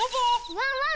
ワンワン